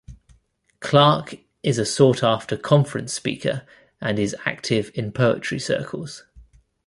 Clarke is a sought-after conference speaker and is active in poetry circles.